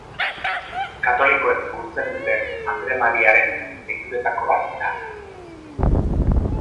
Katolikoek gurtzen duten Andre Mariaren deituretako bat da.